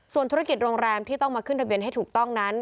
ส่วนธุรกิจโรงแรมที่ต้องมาขึ้นทะเบียนให้ถูกต้องนั้น